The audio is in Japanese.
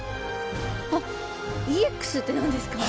あっ「ＥＸ」って何ですか？